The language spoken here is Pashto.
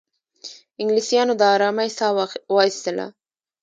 انګلیسیانو د آرامۍ ساه وایستله.